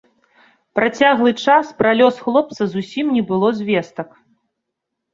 Працяглы час пра лёс хлопца зусім не было звестак.